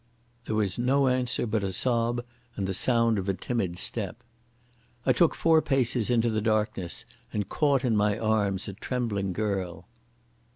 There was no answer but a sob and the sound of a timid step. I took four paces into the darkness and caught in my arms a trembling girl....